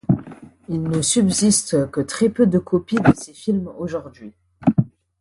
Il ne subsiste que très peu de copies de ces films aujourd'hui.